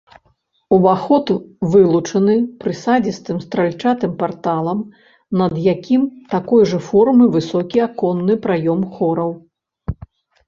Уваход вылучаны прысадзістым стральчатым парталам, над якім такой жа формы высокі аконны праём хораў.